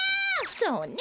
そうね。